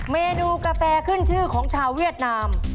เมนูกาแฟขึ้นชื่อของชาวเวียดนาม